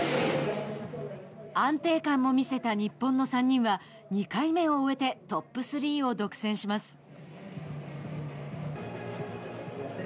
安定感も見せた日本の３人は２回目を終えてトップ３を独占します。